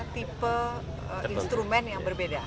tipe instrumen yang berbeda